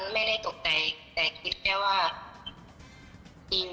แล้วเราก็คงจะตายแล้วแหละอะไรอย่างเนี้ย